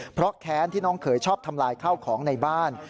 เพราะแค้นที่น้องเขยชอบทำลายข้าวของในบ้าน